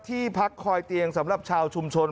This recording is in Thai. ที่พักคอยเตียงสำหรับชาวชุมชน